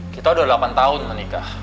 kita udah delapan tahun menikah